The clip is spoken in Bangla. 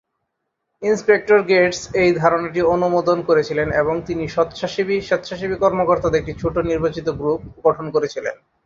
ইন্সপেক্টর গেটস এই ধারণাটি অনুমোদন করেছিলেন, এবং তিনি স্বেচ্ছাসেবী কর্মকর্তাদের একটি ছোট নির্বাচিত গ্রুপ গঠন করেছিলেন।